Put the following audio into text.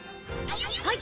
はい！